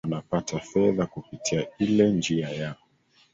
wanapata fedha kupitia ile njia ya